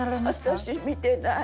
私見てない。